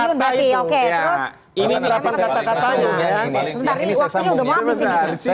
sebentar ini waktunya udah mati sih